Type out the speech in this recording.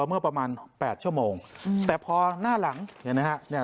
เมื่อประมาณแปดชั่วโมงอืมแต่พอหน้าหลังเนี่ยนะฮะเนี่ย